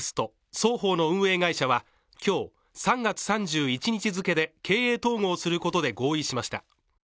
双方の運営会社は今日、３月３１日付で経営統合することで合意しました。